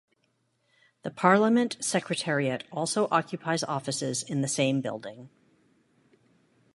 The Parliament Secretariat also occupies offices in the same building.